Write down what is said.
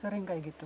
sering kayak gitu